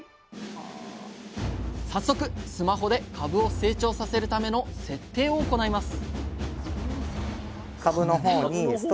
早速スマホで株を成長させるための設定を行います